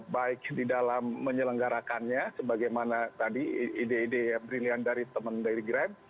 baik di dalam menyelenggarakannya sebagaimana tadi ide ide yang brilian dari teman dari grab